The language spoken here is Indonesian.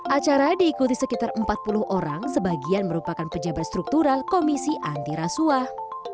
acara diikuti sekitar empat puluh orang sebagian merupakan pejabat struktural komisi antirasuah